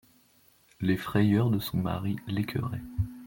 Les frayeurs de son mari l'écœuraient.